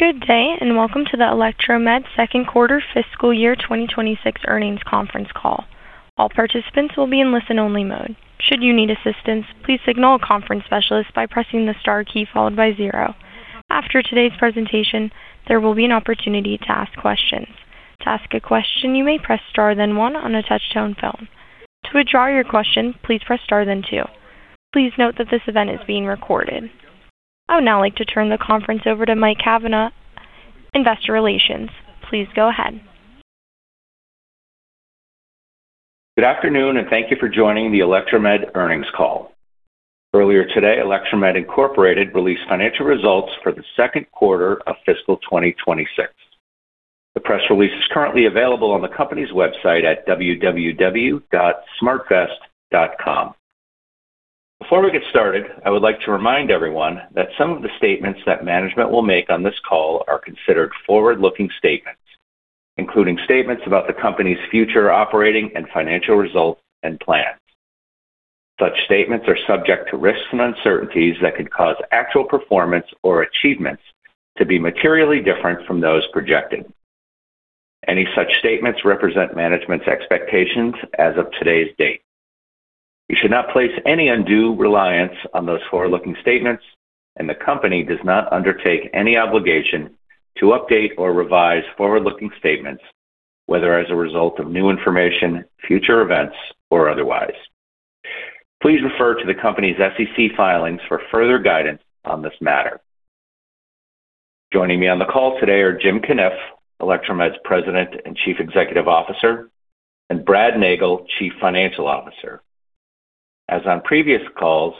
Good day and welcome to the Electromed second quarter fiscal year 2026 earnings conference call. All participants will be in listen-only mode. Should you need assistance, please signal a conference specialist by pressing the star key followed by zero. After today's presentation, there will be an opportunity to ask questions. To ask a question, you may press star then one on a touch-tone phone. To withdraw your question, please press star then two. Please note that this event is being recorded. I would now like to turn the conference over to Mike Cavanaugh, Investor Relations. Please go ahead. Good afternoon and thank you for joining the Electromed earnings call. Earlier today, Electromed, Inc. released financial results for the second quarter of fiscal 2026. The press release is currently available on the company's website at www.smartvest.com. Before we get started, I would like to remind everyone that some of the statements that management will make on this call are considered forward-looking statements, including statements about the company's future operating and financial results and plans. Such statements are subject to risks and uncertainties that could cause actual performance or achievements to be materially different from those projected. Any such statements represent management's expectations as of today's date. You should not place any undue reliance on those forward-looking statements, and the company does not undertake any obligation to update or revise forward-looking statements, whether as a result of new information, future events, or otherwise. Please refer to the company's SEC filings for further guidance on this matter. Joining me on the call today are Jim Cunniff, Electromed's President and Chief Executive Officer, and Brad Nagel, Chief Financial Officer. As on previous calls,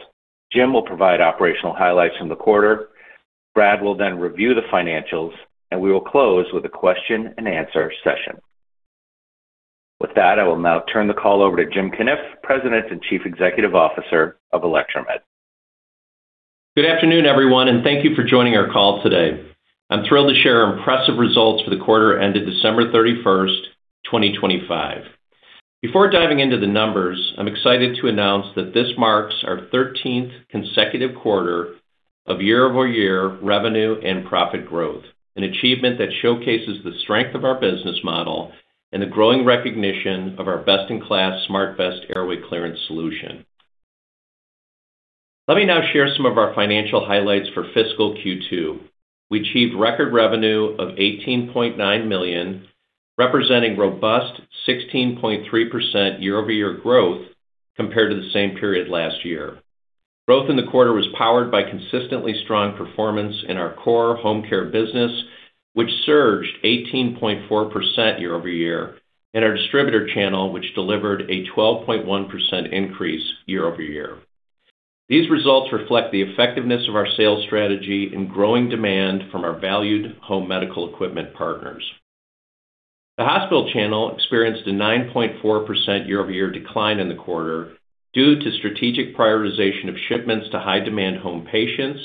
Jim will provide operational highlights from the quarter, Brad will then review the financials, and we will close with a question-and-answer session. With that, I will now turn the call over to Jim Cunniff, President and Chief Executive Officer of Electromed. Good afternoon, everyone, and thank you for joining our call today. I'm thrilled to share impressive results for the quarter ended December 31st, 2025. Before diving into the numbers, I'm excited to announce that this marks our 13th consecutive quarter of year-over-year revenue and profit growth, an achievement that showcases the strength of our business model and the growing recognition of our best-in-class SmartVest airway clearance solution. Let me now share some of our financial highlights for fiscal Q2. We achieved record revenue of $18.9 million, representing robust 16.3% year-over-year growth compared to the same period last year. Growth in the quarter was powered by consistently strong performance in our core home care business, which surged 18.4% year-over-year, and our distributor channel, which delivered a 12.1% increase year-over-year. These results reflect the effectiveness of our sales strategy and growing demand from our valued home medical equipment partners. The hospital channel experienced a 9.4% year-over-year decline in the quarter due to strategic prioritization of shipments to high-demand home patients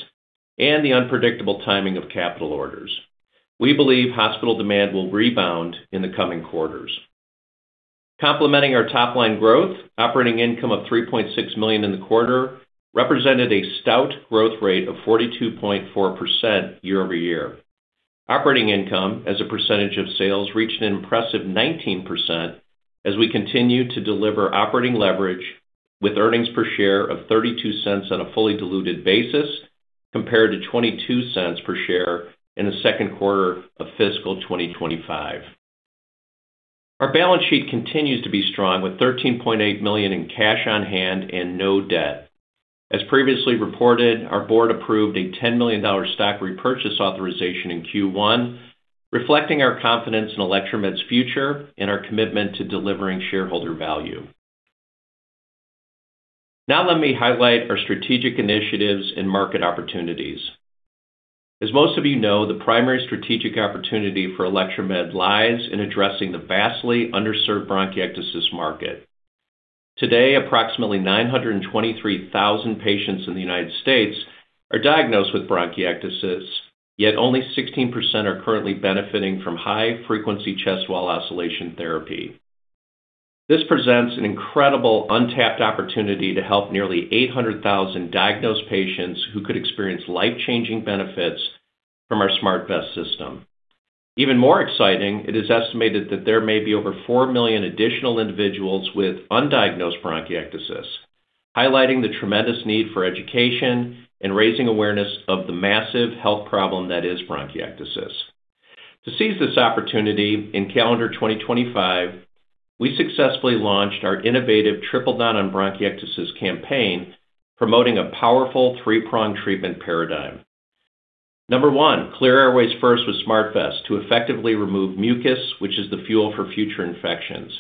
and the unpredictable timing of capital orders. We believe hospital demand will rebound in the coming quarters. Complementing our top-line growth, operating income of $3.6 million in the quarter represented a stout growth rate of 42.4% year-over-year. Operating income, as a percentage of sales, reached an impressive 19% as we continue to deliver operating leverage with earnings per share of $0.32 on a fully diluted basis compared to $0.22 per share in the second quarter of fiscal 2025. Our balance sheet continues to be strong, with $13.8 million in cash on hand and no debt. As previously reported, our board approved a $10 million stock repurchase authorization in Q1, reflecting our confidence in Electromed's future and our commitment to delivering shareholder value. Now let me highlight our strategic initiatives and market opportunities. As most of you know, the primary strategic opportunity for Electromed lies in addressing the vastly underserved bronchiectasis market. Today, approximately 923,000 patients in the United States are diagnosed with bronchiectasis, yet only 16% are currently benefiting from high-frequency chest wall oscillation therapy. This presents an incredible untapped opportunity to help nearly 800,000 diagnosed patients who could experience life-changing benefits from our SmartVest system. Even more exciting, it is estimated that there may be over 4 million additional individuals with undiagnosed bronchiectasis, highlighting the tremendous need for education and raising awareness of the massive health problem that is bronchiectasis. To seize this opportunity in calendar 2025, we successfully launched our innovative Triple Down on Bronchiectasis campaign promoting a powerful three-pronged treatment paradigm. Number one, clear airways first with SmartVest to effectively remove mucus, which is the fuel for future infections.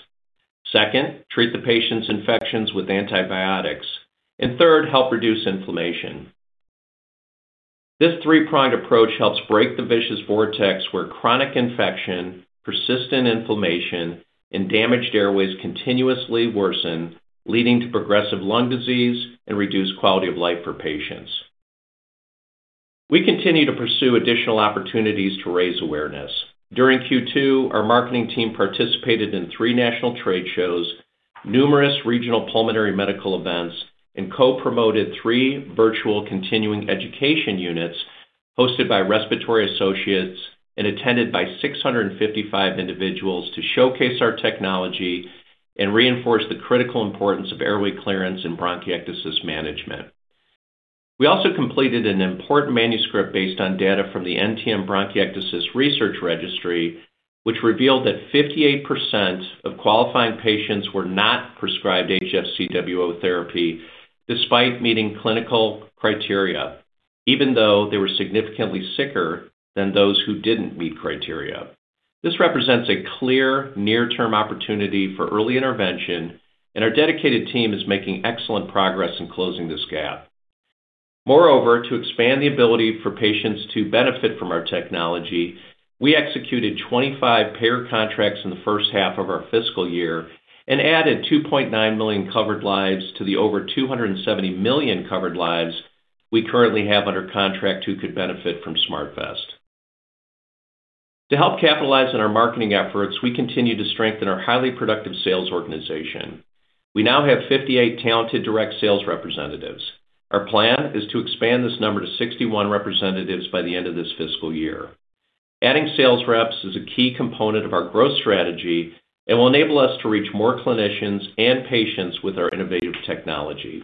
Second, treat the patient's infections with antibiotics. Third, help reduce inflammation. This three-pronged approach helps break the vicious vortex where chronic infection, persistent inflammation, and damaged airways continuously worsen, leading to progressive lung disease and reduced quality of life for patients. We continue to pursue additional opportunities to raise awareness. During Q2, our marketing team participated in three national trade shows, numerous regional pulmonary medical events, and co-promoted three virtual continuing education units hosted by Respiratory Associates and attended by 655 individuals to showcase our technology and reinforce the critical importance of airway clearance and bronchiectasis management. We also completed an important manuscript based on data from the NTM Bronchiectasis Research Registry, which revealed that 58% of qualifying patients were not prescribed HFCWO therapy despite meeting clinical criteria, even though they were significantly sicker than those who didn't meet criteria. This represents a clear near-term opportunity for early intervention, and our dedicated team is making excellent progress in closing this gap. Moreover, to expand the ability for patients to benefit from our technology, we executed 25 payer contracts in the first half of our fiscal year and added 2.9 million covered lives to the over 270 million covered lives we currently have under contract who could benefit from SmartVest. To help capitalize on our marketing efforts, we continue to strengthen our highly productive sales organization. We now have 58 talented direct sales representatives. Our plan is to expand this number to 61 representatives by the end of this fiscal year. Adding sales reps is a key component of our growth strategy and will enable us to reach more clinicians and patients with our innovative technology.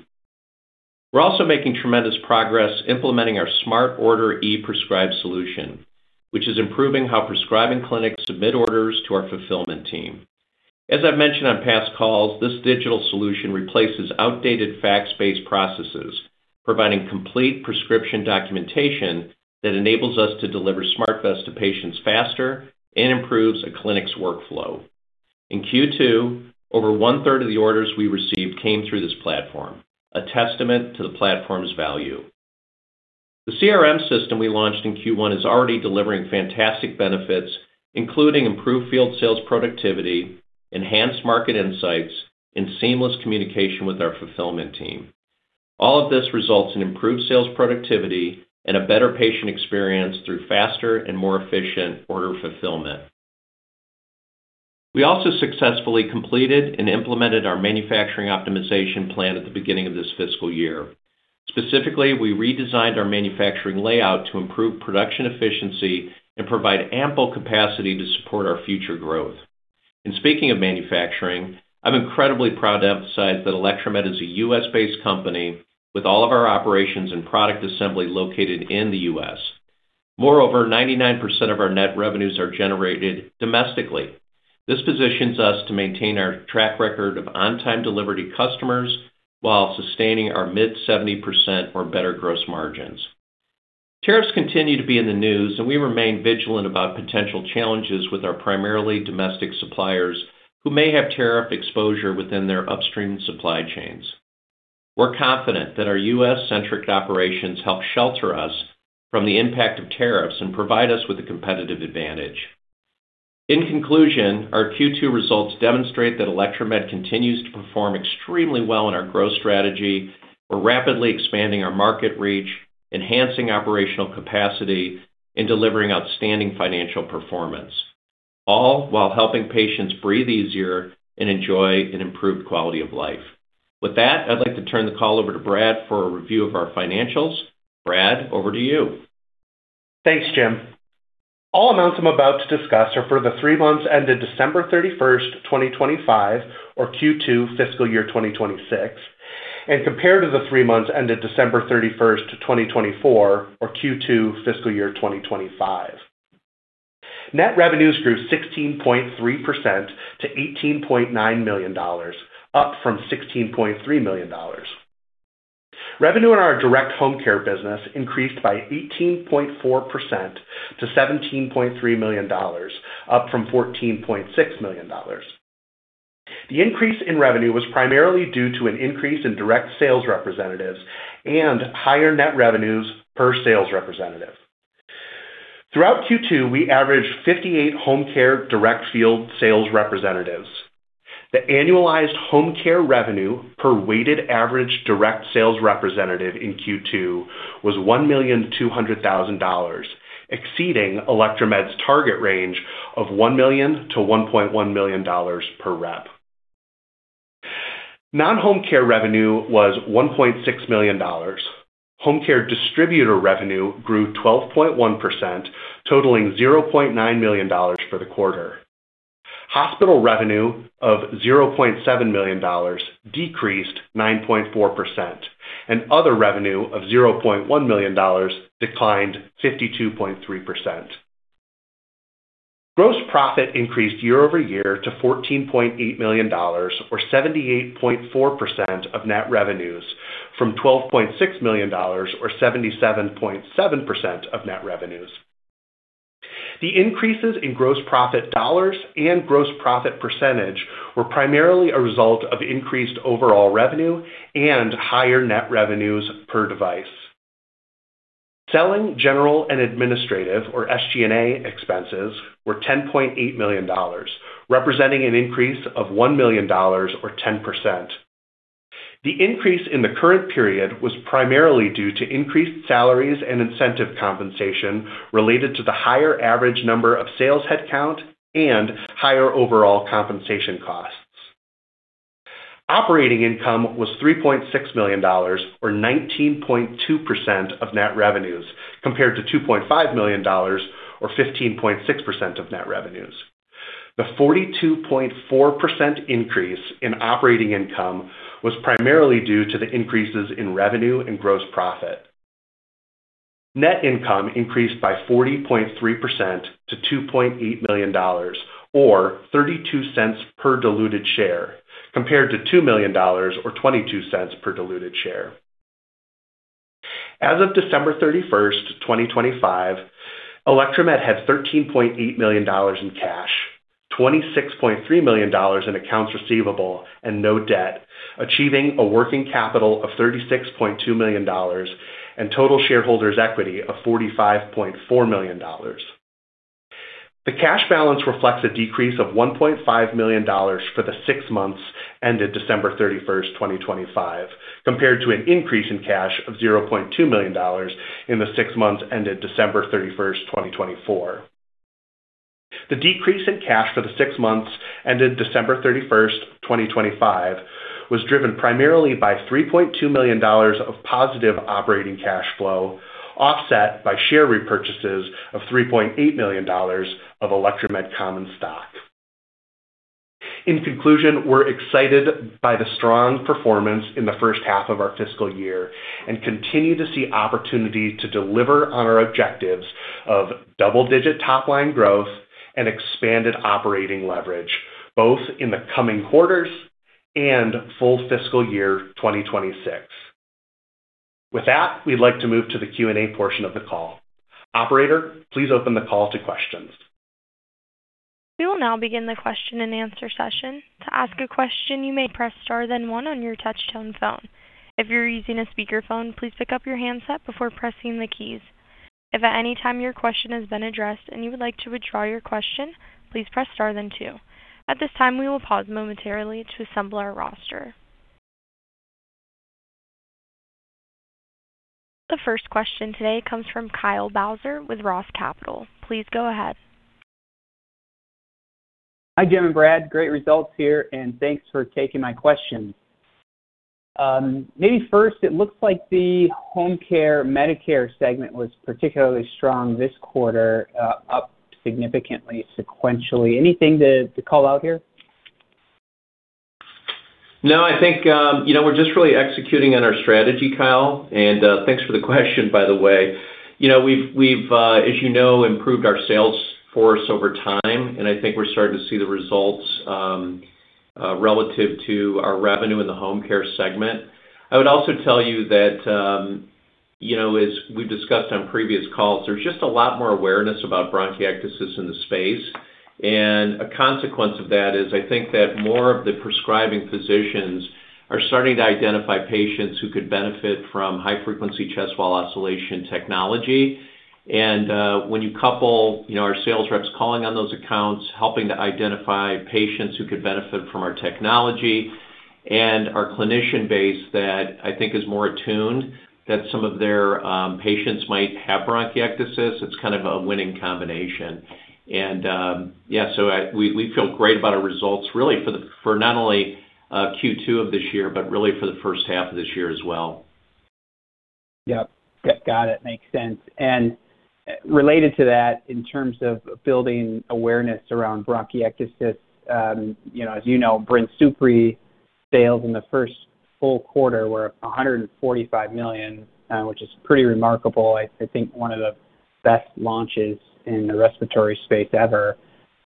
We're also making tremendous progress implementing our Smart Order ePrescribe solution, which is improving how prescribing clinics submit orders to our fulfillment team. As I've mentioned on past calls, this digital solution replaces outdated fax-based processes, providing complete prescription documentation that enables us to deliver SmartVest to patients faster and improves a clinic's workflow. In Q2, over one-third of the orders we received came through this platform, a testament to the platform's value. The CRM system we launched in Q1 is already delivering fantastic benefits, including improved field sales productivity, enhanced market insights, and seamless communication with our fulfillment team. All of this results in improved sales productivity and a better patient experience through faster and more efficient order fulfillment. We also successfully completed and implemented our manufacturing optimization plan at the beginning of this fiscal year. Specifically, we redesigned our manufacturing layout to improve production efficiency and provide ample capacity to support our future growth. Speaking of manufacturing, I'm incredibly proud to emphasize that Electromed is a U.S.-based company with all of our operations and product assembly located in the U.S. Moreover, 99% of our net revenues are generated domestically. This positions us to maintain our track record of on-time delivery to customers while sustaining our mid-70% or better gross margins. Tariffs continue to be in the news, and we remain vigilant about potential challenges with our primarily domestic suppliers who may have tariff exposure within their upstream supply chains. We're confident that our U.S.-centric operations help shelter us from the impact of tariffs and provide us with a competitive advantage. In conclusion, our Q2 results demonstrate that Electromed continues to perform extremely well in our growth strategy. We're rapidly expanding our market reach, enhancing operational capacity, and delivering outstanding financial performance, all while helping patients breathe easier and enjoy an improved quality of life. With that, I'd like to turn the call over to Brad for a review of our financials. Brad, over to you. Thanks, Jim. All amounts I'm about to discuss are for the three months ended December 31st, 2025, or Q2 fiscal year 2026, and compared to the three months ended December 31st, 2024, or Q2 fiscal year 2025. Net revenues grew 16.3% to $18.9 million, up from $16.3 million. Revenue in our direct home care business increased by 18.4% to $17.3 million, up from $14.6 million. The increase in revenue was primarily due to an increase in direct sales representatives and higher net revenues per sales representative. Throughout Q2, we averaged 58 home care direct field sales representatives. The annualized home care revenue per weighted average direct sales representative in Q2 was $1,200,000, exceeding Electromed's target range of $1 million-$1.1 million per rep. Non-home care revenue was $1.6 million. Home care distributor revenue grew 12.1%, totaling $0.9 million for the quarter. Hospital revenue of $0.7 million decreased 9.4%, and other revenue of $0.1 million declined 52.3%. Gross profit increased year-over-year to $14.8 million, or 78.4% of net revenues, from $12.6 million, or 77.7% of net revenues. The increases in gross profit dollars and gross profit percentage were primarily a result of increased overall revenue and higher net revenues per device. Selling general and administrative, or SG&A, expenses were $10.8 million, representing an increase of $1 million, or 10%. The increase in the current period was primarily due to increased salaries and incentive compensation related to the higher average number of sales headcount and higher overall compensation costs. Operating income was $3.6 million, or 19.2% of net revenues, compared to $2.5 million, or 15.6% of net revenues. The 42.4% increase in operating income was primarily due to the increases in revenue and gross profit. Net income increased by 40.3% to $2.8 million, or $0.32 per diluted share, compared to $2 million, or $0.22 per diluted share. As of December 31st, 2025, Electromed had $13.8 million in cash, $26.3 million in accounts receivable, and no debt, achieving a working capital of $36.2 million and total shareholders' equity of $45.4 million. The cash balance reflects a decrease of $1.5 million for the six months ended December 31st, 2025, compared to an increase in cash of $0.2 million in the six months ended December 31st, 2024. The decrease in cash for the six months ended December 31st, 2025, was driven primarily by $3.2 million of positive operating cash flow, offset by share repurchases of $3.8 million of Electromed common stock. In conclusion, we're excited by the strong performance in the first half of our fiscal year and continue to see opportunities to deliver on our objectives of double-digit top-line growth and expanded operating leverage, both in the coming quarters and full fiscal year 2026. With that, we'd like to move to the Q&A portion of the call. Operator, please open the call to questions. We will now begin the question-and-answer session. To ask a question, you may press star then one on your touch-tone phone. If you're using a speakerphone, please pick up your handset before pressing the keys. If at any time your question has been addressed and you would like to withdraw your question, please press star then two. At this time, we will pause momentarily to assemble our roster. The first question today comes from Kyle Bauser with Roth Capital Partners. Please go ahead. Hi, Jim and Brad. Great results here, and thanks for taking my questions. Maybe first, it looks like the home care Medicare segment was particularly strong this quarter, up significantly, sequentially. Anything to call out here? No, I think we're just really executing on our strategy, Kyle. And thanks for the question, by the way. We've, as you know, improved our sales force over time, and I think we're starting to see the results relative to our revenue in the home care segment. I would also tell you that, as we've discussed on previous calls, there's just a lot more awareness about bronchiectasis in the space. And a consequence of that is I think that more of the prescribing physicians are starting to identify patients who could benefit from high-frequency chest wall oscillation technology. And when you couple our sales reps calling on those accounts, helping to identify patients who could benefit from our technology, and our clinician base that I think is more attuned that some of their patients might have bronchiectasis, it's kind of a winning combination. And yeah, so we feel great about our results, really, for not only Q2 of this year but really for the first half of this year as well. Yep. Got it. Makes sense. And related to that, in terms of building awareness around bronchiectasis, as you know, Brinsupri sales in the first full quarter were $145 million, which is pretty remarkable. I think one of the best launches in the respiratory space ever.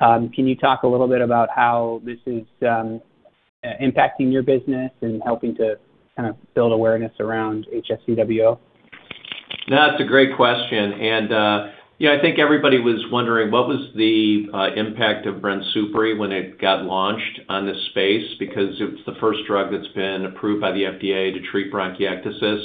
Can you talk a little bit about how this is impacting your business and helping to kind of build awareness around HFCWO? No, that's a great question. And I think everybody was wondering what was the impact of Brinsupri when it got launched on this space because it's the first drug that's been approved by the FDA to treat bronchiectasis.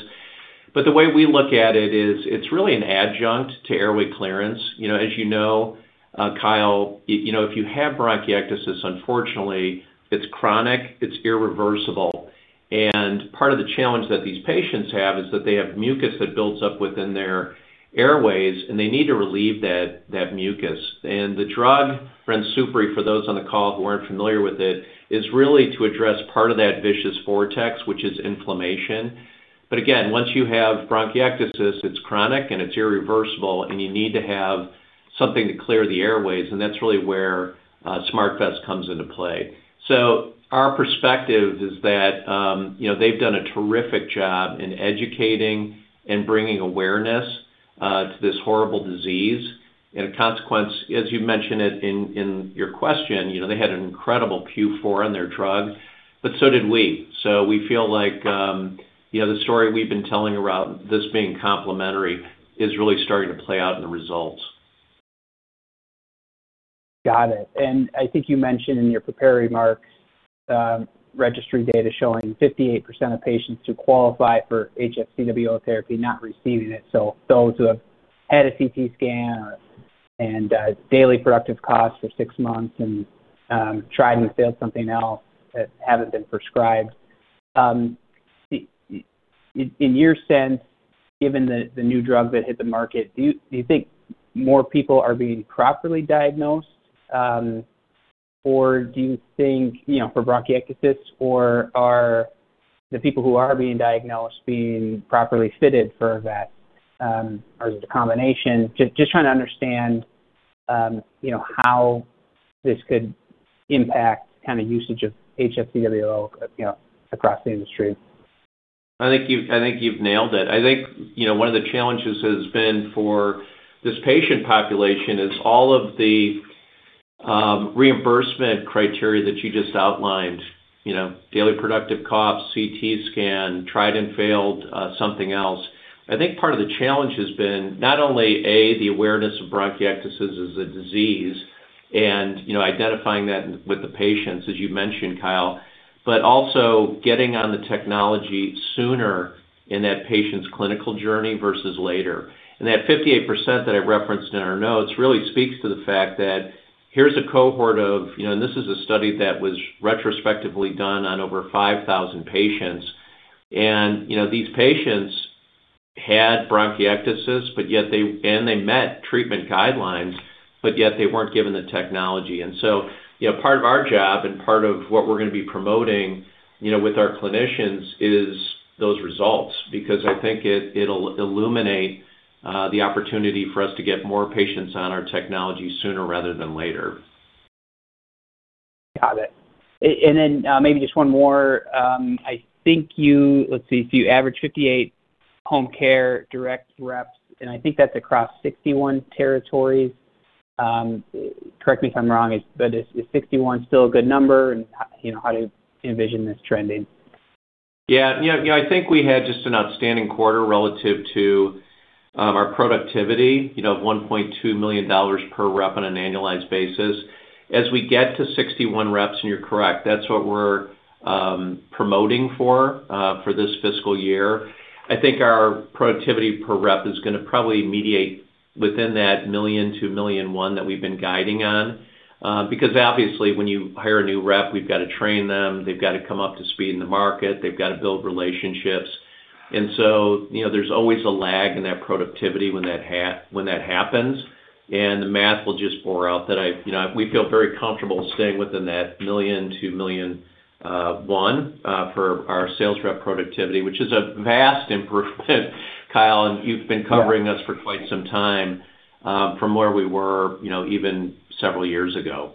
But the way we look at it is it's really an adjunct to airway clearance. As you know, Kyle, if you have bronchiectasis, unfortunately, it's chronic. It's irreversible. And part of the challenge that these patients have is that they have mucus that builds up within their airways, and they need to relieve that mucus. And the drug, Brinsupri, for those on the call who aren't familiar with it, is really to address part of that vicious vortex, which is inflammation. But again, once you have bronchiectasis, it's chronic and it's irreversible, and you need to have something to clear the airways. And that's really where SmartVest comes into play. Our perspective is that they've done a terrific job in educating and bringing awareness to this horrible disease. As a consequence, as you mentioned it in your question, they had an incredible Q4 on their drug, but so did we. We feel like the story we've been telling about this being complementary is really starting to play out in the results. Got it. And I think you mentioned in your Bronchiectasis and NTM Research Registry data showing 58% of patients who qualify for HFCWO therapy not receiving it. So those who have had a CT scan and daily productive coughs for six months and tried and failed something else that haven't been prescribed. In your sense, given the new drug that hit the market, do you think more people are being properly diagnosed, or do you think for bronchiectasis, or are the people who are being diagnosed being properly fitted for that, or is it a combination? Just trying to understand how this could impact kind of usage of HFCWO across the industry. I think you've nailed it. I think one of the challenges has been for this patient population is all of the reimbursement criteria that you just outlined: daily productive coughs, CT scan, tried and failed, something else. I think part of the challenge has been not only, A, the awareness of bronchiectasis as a disease and identifying that with the patients, as you mentioned, Kyle, but also getting on the technology sooner in that patient's clinical journey versus later. And that 58% that I referenced in our notes really speaks to the fact that here's a cohort of and this is a study that was retrospectively done on over 5,000 patients. And these patients had bronchiectasis, and they met treatment guidelines, but yet they weren't given the technology. And so part of our job and part of what we're going to be promoting with our clinicians is those results because I think it'll illuminate the opportunity for us to get more patients on our technology sooner rather than later. Got it. And then maybe just one more. I think you let's see. So you average 58 home care direct reps, and I think that's across 61 territories. Correct me if I'm wrong, but is 61 still a good number, and how do you envision this trending? Yeah. I think we had just an outstanding quarter relative to our productivity of $1.2 million per rep on an annualized basis. As we get to 61 reps, and you're correct, that's what we're promoting for this fiscal year. I think our productivity per rep is going to probably migrate within that $1 million-$1.1 million that we've been guiding on because, obviously, when you hire a new rep, we've got to train them. They've got to come up to speed in the market. They've got to build relationships. And so there's always a lag in that productivity when that happens, and the math will just bear out that we feel very comfortable staying within that $1 million-$1.1 million for our sales rep productivity, which is a vast improvement, Kyle, and you've been covering us for quite some time from where we were even several years ago.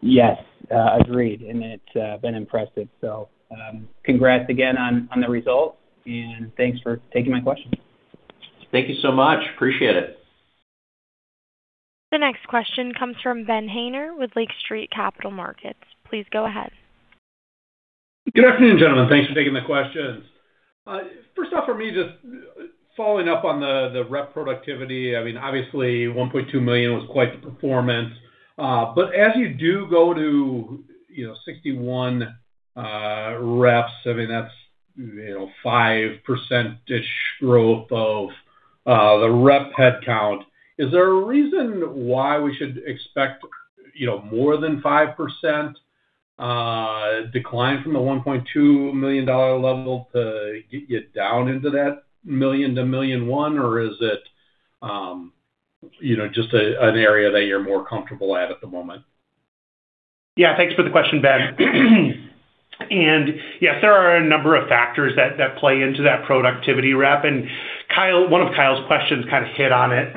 Yes, agreed. And it's been impressive. So congrats again on the results, and thanks for taking my questions. Thank you so much. Appreciate it. The next question comes from Ben Haynor with Lake Street Capital Markets. Please go ahead. Good afternoon, gentlemen. Thanks for taking the questions. First off, for me, just following up on the rep productivity. I mean, obviously, $1.2 million was quite the performance. But as you do go to 61 reps, I mean, that's 5%-ish growth of the rep headcount. Is there a reason why we should expect more than 5% decline from the $1.2 million level to get down into that $1 million-$1.1 million, or is it just an area that you're more comfortable at at the moment? Yeah, thanks for the question, Ben. And yes, there are a number of factors that play into that productivity rep. And one of Kyle's questions kind of hit on it.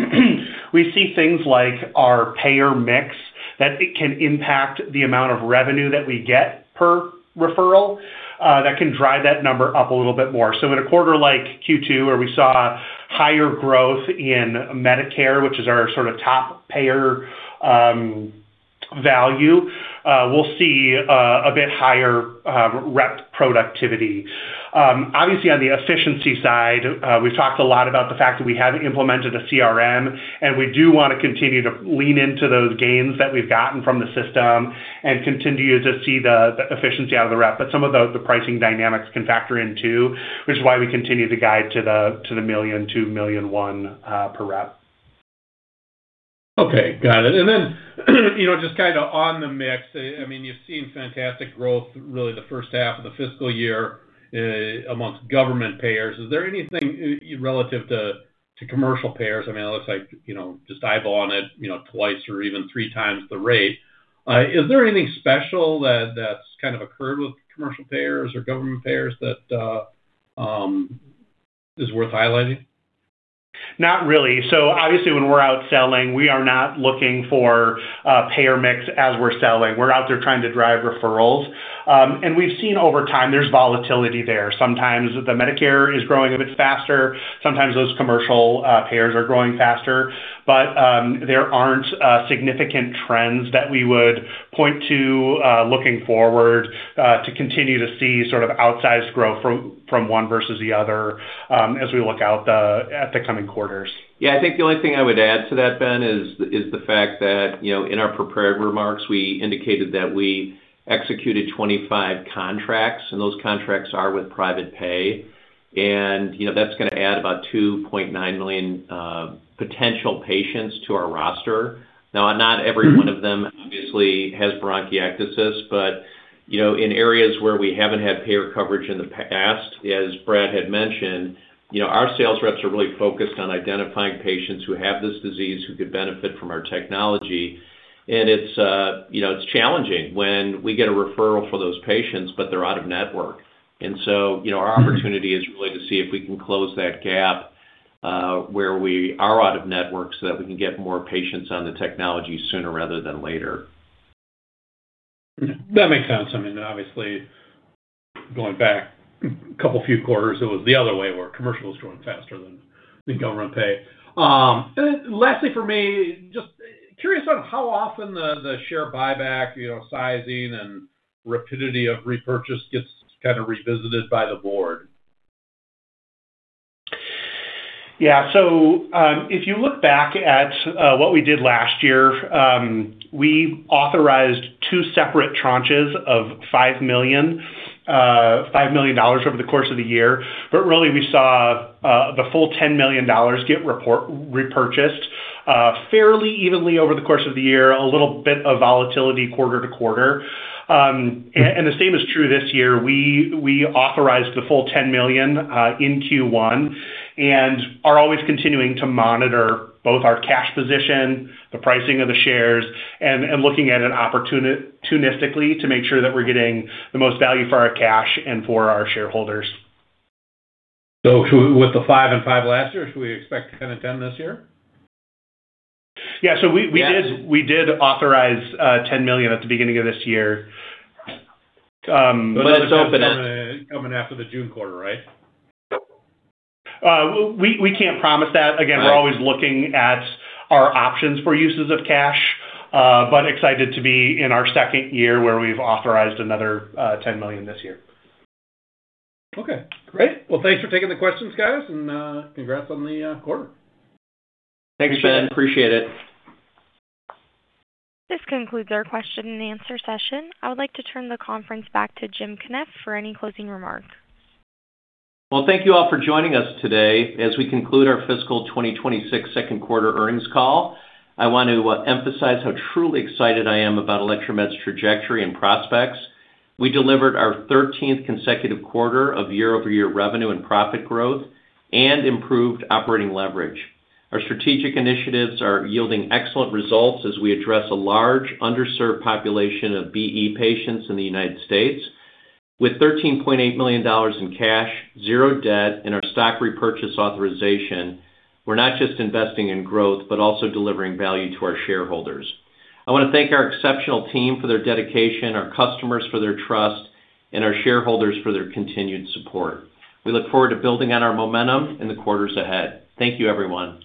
We see things like our payer mix that it can impact the amount of revenue that we get per referral. That can drive that number up a little bit more. So in a quarter like Q2, where we saw higher growth in Medicare, which is our sort of top payer value, we'll see a bit higher rep productivity. Obviously, on the efficiency side, we've talked a lot about the fact that we haven't implemented a CRM, and we do want to continue to lean into those gains that we've gotten from the system and continue to see the efficiency out of the rep. But some of the pricing dynamics can factor in too, which is why we continue to guide to the $1 million-$1.1 million per rep. Okay, got it. And then just kind of on the mix, I mean, you've seen fantastic growth, really, the first half of the fiscal year amongst government payers. Is there anything relative to commercial payers? I mean, it looks like just eyeballing it twice or even three times the rate. Is there anything special that's kind of occurred with commercial payers or government payers that is worth highlighting? Not really. So obviously, when we're out selling, we are not looking for a payer mix as we're selling. We're out there trying to drive referrals. And we've seen over time, there's volatility there. Sometimes the Medicare is growing a bit faster. Sometimes those commercial payers are growing faster. But there aren't significant trends that we would point to looking forward to continue to see sort of outsized growth from one versus the other as we look out at the coming quarters. Yeah, I think the only thing I would add to that, Ben, is the fact that in our preparatory remarks, we indicated that we executed 25 contracts, and those contracts are with private pay. And that's going to add about 2.9 million potential patients to our roster. Now, not every one of them, obviously, has bronchiectasis, but in areas where we haven't had payer coverage in the past, as Brad had mentioned, our sales reps are really focused on identifying patients who have this disease who could benefit from our technology. And it's challenging when we get a referral for those patients, but they're out of network. And so our opportunity is really to see if we can close that gap where we are out of network so that we can get more patients on the technology sooner rather than later. That makes sense. I mean, obviously, going back a couple few quarters, it was the other way where commercial was growing faster than government pay. And lastly, for me, just curious on how often the share buyback sizing and rapidity of repurchase gets kind of revisited by the board? Yeah. So if you look back at what we did last year, we authorized two separate tranches of $5 million over the course of the year. But really, we saw the full $10 million get repurchased fairly evenly over the course of the year, a little bit of volatility quarter to quarter. And the same is true this year. We authorized the full $10 million in Q1 and are always continuing to monitor both our cash position, the pricing of the shares, and looking at it opportunistically to make sure that we're getting the most value for our cash and for our shareholders. So with the $5 million and $5 million last year, should we expect $10 million and $10 million this year? Yeah. So we did authorize $10 million at the beginning of this year. It's open coming after the June quarter, right? We can't promise that. Again, we're always looking at our options for uses of cash, but excited to be in our second year where we've authorized another $10 million this year. Okay, great. Well, thanks for taking the questions, guys, and congrats on the quarter. Thanks, Ben. Appreciate it. This concludes our question and answer session. I would like to turn the conference back to Jim Cunniff for any closing remarks. Well, thank you all for joining us today. As we conclude our fiscal 2026 second quarter earnings call, I want to emphasize how truly excited I am about Electromed's trajectory and prospects. We delivered our 13th consecutive quarter of year-over-year revenue and profit growth and improved operating leverage. Our strategic initiatives are yielding excellent results as we address a large underserved population of BE patients in the United States. With $13.8 million in cash, zero debt, and our stock repurchase authorization, we're not just investing in growth, but also delivering value to our shareholders. I want to thank our exceptional team for their dedication, our customers for their trust, and our shareholders for their continued support. We look forward to building on our momentum in the quarters ahead. Thank you, everyone.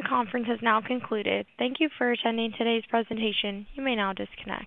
The conference has now concluded. Thank you for attending today's presentation. You may now disconnect.